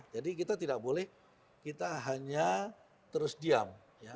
jadi kita tidak boleh kita hanya terus diam